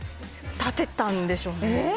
建てたんでしょうね。